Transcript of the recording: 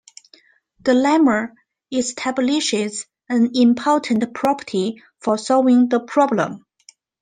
The lemma establishes an important property for solving the problem.